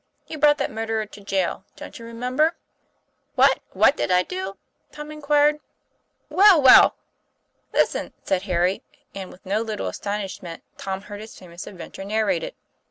You brought that murderer to jail. Don't you remember?" "What what did I do?" Tom inquired. "Listen," said Harry, and with no little astonish ment Tom heard his famous adventure narrated.